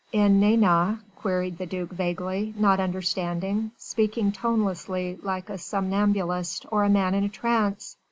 "In Nantes?" queried the duc vaguely, not understanding, speaking tonelessly like a somnambulist or a man in a trance.